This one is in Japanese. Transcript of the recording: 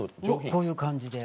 こういう感じで。